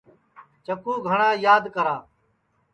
آج چکُو گھٹؔا یاد کرا